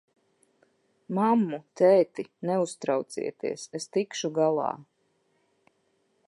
Mammu, tēti, neuztraucieties, es tikšu galā!